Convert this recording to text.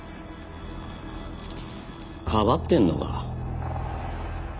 かばってんのか？